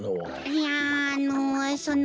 いやあのその。